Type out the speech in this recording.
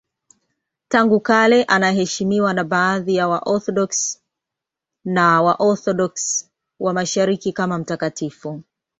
Tangu kale anaheshimiwa na baadhi ya Waorthodoksi na Waorthodoksi wa Mashariki kama mtakatifu.